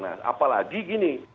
nah apalagi gini